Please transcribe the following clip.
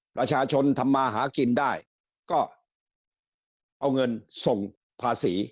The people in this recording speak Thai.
ประชาชนทำมาหากินได้ก็เอาเงินส่งภาษี